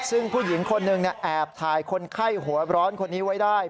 ซึ่งผู้หญิงคนหนึ่งแอบถ่ายคนไข้หัวร้อนคนนี้ไว้ได้